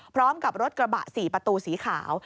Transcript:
พร้อมกับรถกระบะ๔ประตูสีขาว